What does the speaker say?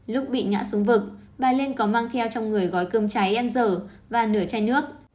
lúc bị ngã xuống vực bà lên có mang theo trong người gói cơm cháy ăn dở và nửa chai nước